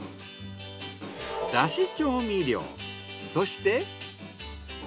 だし調味料そして。